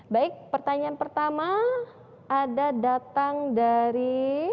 baik pertanyaan pertama ada datang dari